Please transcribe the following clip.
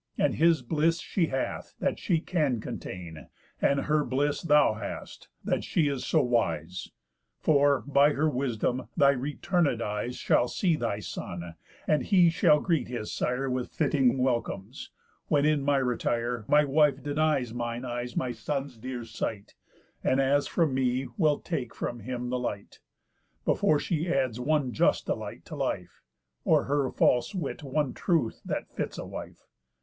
And his bliss she hath, that she can contain, And her bliss thou hast, that she is so wise. For, by her wisdom, thy returnéd eyes Shall see thy son, and he shall greet his sire With fitting welcomes; when in my retire, My wife denies mine eyes my son's dear sight, And, as from me, will take from him the light, Before she adds one just delight to life, Or her false wit one truth that fits a wife.